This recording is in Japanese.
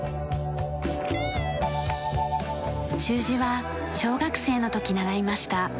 習字は小学生の時習いました。